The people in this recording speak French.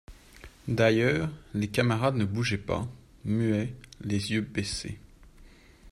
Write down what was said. D'ailleurs, les camarades ne bougeaient pas, muets, les yeux baissés.